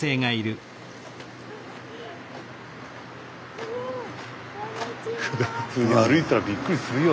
スタジオ普通に歩いてたらびっくりするよ